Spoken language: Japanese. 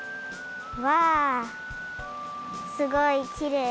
うわすごいきれい。